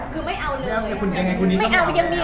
พี่ขอบกลับไปยิงอยู่ตรงนี้